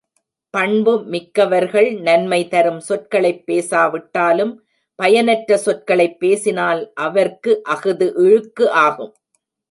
பண்பு மிக்கவர்கள் நன்மை தரும் சொற்களைப் பேசாவிட்டாலும் பயனற்ற சொற்களைப் பேசினால் அவர்க்கு அஃது இழுக்கு ஆகும்.